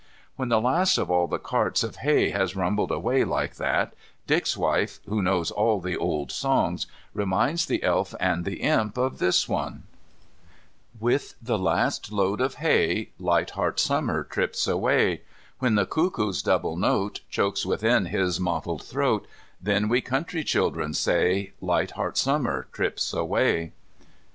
When the last of all the carts of hay has rumbled away like that, Dick's wife, who knows all the old songs, reminds the Elf and the Imp of this one: "With the last load of hay Light heart Summer trips away, When the cuckoo's double note Chokes within his mottled throat, Then we country children say, Light heart Summer trips away."